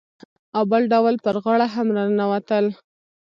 او بل ډول پر غاړه هم راننوتل.